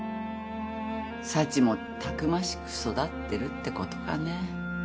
幸もたくましく育ってるってことかね。